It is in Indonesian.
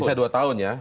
bisa dua tahun ya